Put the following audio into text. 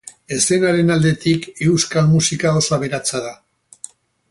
Eszenaren aldetik, euskal musika oso aberatsa da.